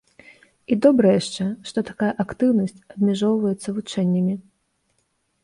І добра яшчэ, што такая актыўнасць абмяжоўваецца вучэннямі.